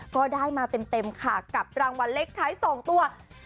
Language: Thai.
ก็ได้มาเต็มค่ะกับรางวัลเลขท้าย๒ตัว